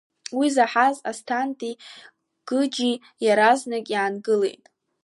Уи заҳаз Асҭанеи Гыџьи иаразнак иаангылеит.